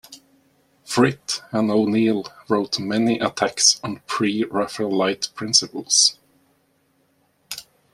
Frith and O'Neil wrote many attacks on Pre-Raphaelite principles.